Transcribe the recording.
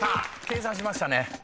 計算しましたね。